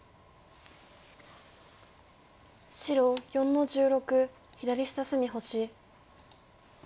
白４の十六左下隅星。